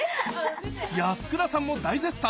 安倉さんも大絶賛！